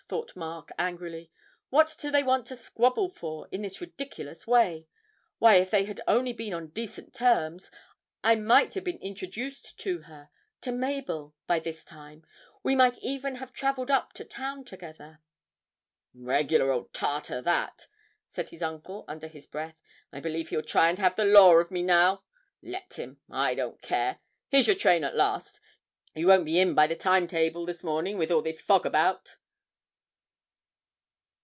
thought Mark, angrily; 'what do they want to squabble for in this ridiculous way? Why, if they had only been on decent terms, I might have been introduced to her to Mabel by this time; we might even have travelled up to town together.' 'Regular old Tartar, that!' said his uncle, under his breath. 'I believe he'll try and have the law of me now. Let him I don't care! Here's your train at last. You won't be in by the time table this morning with all this fog about.'